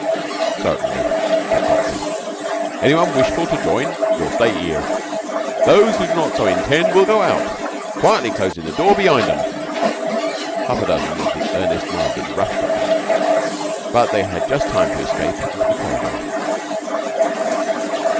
"Certainly," said Foxy. "Any one wishful to join will stay 'ere. Those who do not so intend will go out, quietly closin' the door be'ind 'em." Half a dozen of the earnest minded rushed at them, and they had just time to escape into the corridor.